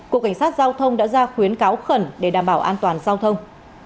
cục cảnh sát giao thông đã ra khuyến cáo khẩn để đảm bảo an toàn giao thông